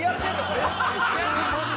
これ。